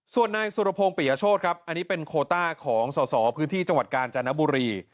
ส่วนนายสุรพงศ์ปิยโชธครับอันนี้เป็นโคต้าของสอสอพื้นที่จังหวัดกาญจนบุรี